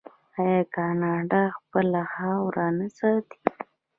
آیا کاناډا خپله خاوره نه ساتي؟